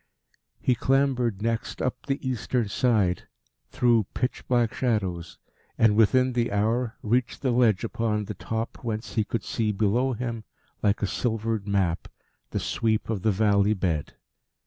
He clambered next up the eastern side, through pitch black shadows, and within the hour reached the ledge upon the top whence he could see below him, like a silvered map, the sweep of the valley bed.